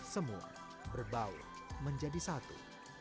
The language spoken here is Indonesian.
semua berbau menjadi satu